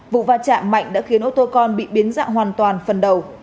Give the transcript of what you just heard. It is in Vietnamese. vụ va chạm mạnh đã khiến ô tô con bị biến dạng hoàn toàn phần đầu